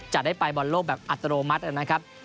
จะได้ไปบอลโลกแบบอัตโนมัตินะครับ